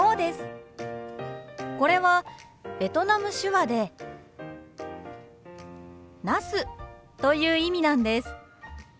これはベトナム手話でナスという意味なんです。